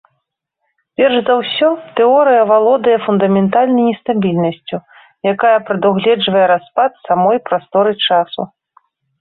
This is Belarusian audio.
Перш за ўсё, тэорыя валодае фундаментальнай нестабільнасцю, якая прадугледжвае распад самой прасторы-часу.